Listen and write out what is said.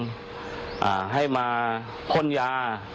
ตลาดให้มาค่นหยา